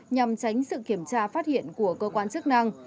nhằm tránh sự kiểm tra phát hiện của cơ quan chức năng